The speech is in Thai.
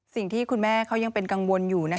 สิ่งที่คุณแม่เขายังเป็นกังวลอยู่